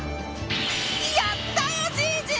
やったよじいじ！